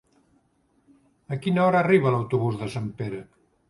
A quina hora arriba l'autobús de Sempere?